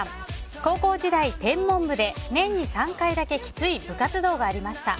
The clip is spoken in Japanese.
高校時代、天文部で年に３回だけきつい部活動がありました。